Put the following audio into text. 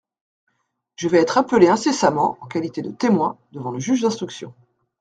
Je vais être appelé incessamment, en qualité de témoin, devant le juge d'instruction.